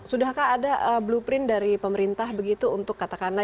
sudahkah ada blueprint dari pemerintah begitu untuk katakanlah